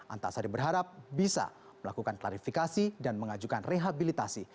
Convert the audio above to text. antasari berharap bisa melakukan klarifikasi dan mengajukan rehabilitasi